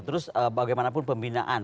terus bagaimanapun pembinaan